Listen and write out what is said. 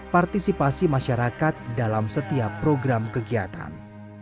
partisipasi masyarakat dalam setiap program kegiatan